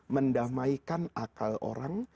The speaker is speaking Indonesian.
mendamaikan akal orang